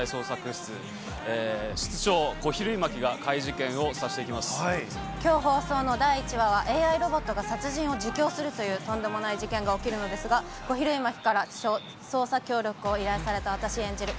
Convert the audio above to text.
室室長、小比類巻が怪事件を捜査してきょう放送の第１話は、ＡＩロボットが殺人を自供するというとんでもない事件が起きるのですが、小比類巻から捜査協力を依頼された私演じる